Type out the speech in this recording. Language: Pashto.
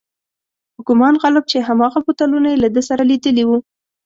په ګومان غالب چې هماغه بوتلونه یې له ده سره لیدلي و.